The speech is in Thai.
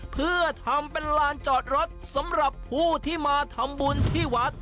เพื่อทำเป็นลานจอดรถสำหรับผู้ที่มาทำบุญที่วัด